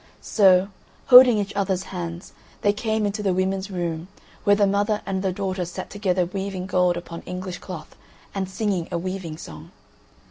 So, holding each other's hands, they came into the women's room, where the mother and the daughter sat together weaving gold upon English cloth and singing a weaving song.